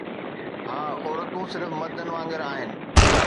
ها، عورتون صرف مردن وانگر آهن